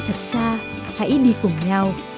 thật xa hãy đi cùng nhau